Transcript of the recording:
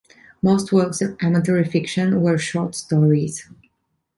Most works of amatory fiction were short stories.